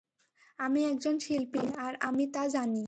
আমি একজন শিল্পী, আর আমি তা জানি।